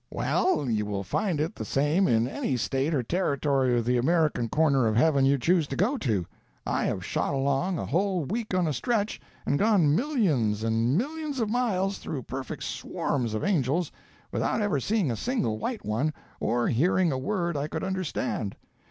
"Well, you will find it the same in any State or Territory of the American corner of heaven you choose to go to. I have shot along, a whole week on a stretch, and gone millions and millions of miles, through perfect swarms of angels, without ever seeing a single white one, or hearing a word I could understand.